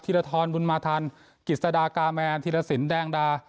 ธีรธรบุญมาธรกิสดากาแมนธีรศิลป์แดงดา